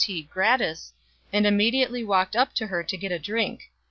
137 gratis, 4 and immediately walked up to her to get a drink.